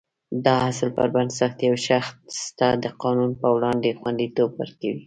دا اصل پر بنسټ یو شخص ته د قانون په وړاندې خوندیتوب ورکوي.